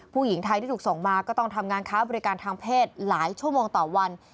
ผู้หญิงไทยที่ถูกส่งมาก็ต้องทำงานค้าบริการทางเพศหลายชั่วโมงต่อวัน